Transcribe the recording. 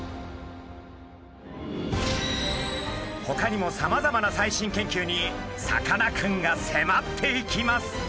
ほかにもさまざまな最新研究にさかなクンが迫っていきます。